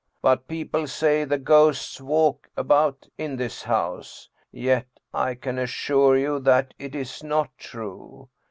But people say the ghosts walk about in this house. Yet I can assure you that it is not true.